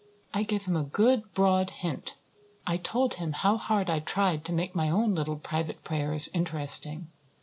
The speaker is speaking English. I gave him a good broad hint. I told him how hard I tried to make my own little private prayers interesting.